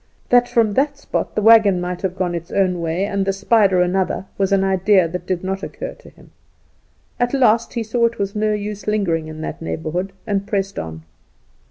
That from that spot the wagon might have gone its own way and the spider another was an idea that did not occur to him. At last he saw it was no use lingering in that neighbourhood, and pressed on.